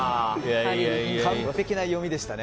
完璧な読みでしたね。